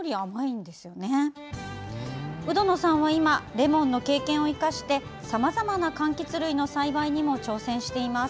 鵜殿さんは今レモンの経験を生かしてさまざまなかんきつ類の栽培にも挑戦しています。